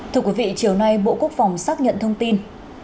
thưa quý vị chiều nay bộ quốc phòng xác nhận thông tin